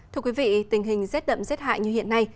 thưa quý vị tình hình rét đậm rét hại như hiện nay